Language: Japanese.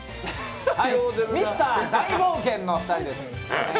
ミスター大冒険の２人です。